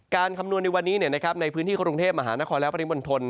คำนวณในวันนี้ในพื้นที่กรุงเทพมหานครและปริมณฑล